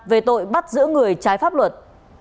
về tội bắt giữ người trái pháp luật